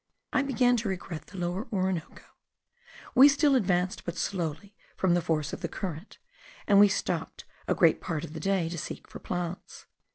I began to regret the Lower Orinoco. We still advanced but slowly from the force of the current, and we stopped a great part of the day to seek for plants.